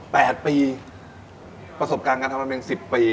๘ปีประสบการณ์กับทำราเมง๑๐ปี